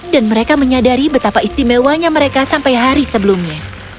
dan mereka menyadari betapa istimewanya mereka sampai hari sebelumnya